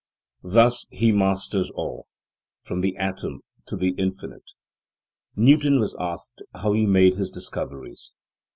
Thus he masters all, from the atom to the Infinite. Newton was asked how he made his discoveries.